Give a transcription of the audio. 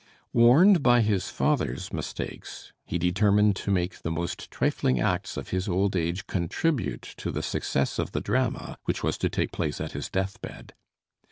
Warned by his father's mistakes, he determined to make the most trifling acts of his old age contribute to the success of the drama which was to take place at his deathbed.